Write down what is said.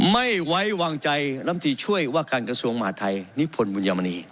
ไม่ไว้วางใจลำตีช่วยว่าการกระทรวงมหาธัยนิพนธ์บุญยามณี